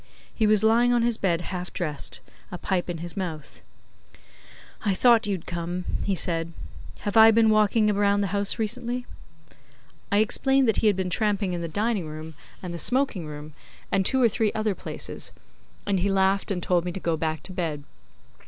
He was lying on his bed half dressed, a pipe in his mouth. 'I thought you'd come,' he said. 'Have I been walking round the house recently?' I explained that he had been tramping in the dining room and the smoking room and two or three other places, and he laughed and told me to go back to bed.